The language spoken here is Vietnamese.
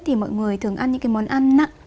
thì mọi người thường ăn những cái món ăn nặng